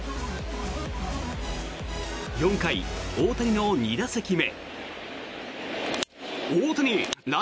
４回、大谷の２打席目。